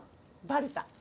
バレた？